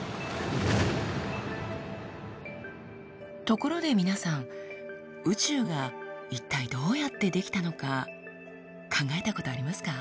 ところで皆さん宇宙が一体どうやって出来たのか考えたことありますか？